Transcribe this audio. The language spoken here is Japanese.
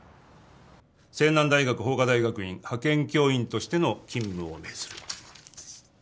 青南大学法科大学院派遣教員としての勤務を命ずる